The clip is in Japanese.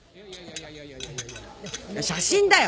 写真だよ！